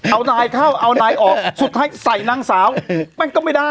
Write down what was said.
เอานายเข้าเอานายออกสุดท้ายใส่นางสาวมันก็ไม่ได้